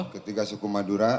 ketiga suku madura